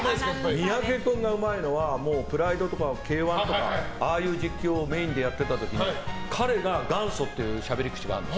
三宅君がうまいのは「ＰＲＩＤＥ」とか「Ｋ‐１」とかああいう実況をメインでやってた時に彼が元祖っていうしゃべり口があるの。